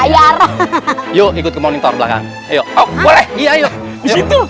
yuk ikut ke monitor belakang yuk boleh iya yuk disitu